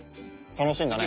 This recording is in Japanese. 楽しんだね。